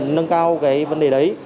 nâng cao cái